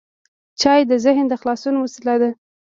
چای د ذهن د خلاصون وسیله ده.